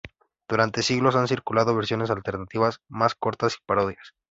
Durante siglos han circulado versiones alternativas, más cortas y parodias.